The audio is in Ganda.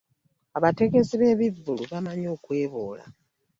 abategesi b'ebivvulu bamanyi okweboola